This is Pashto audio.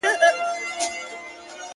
o خر و ځان ته اريان و، خاوند ئې بار ته.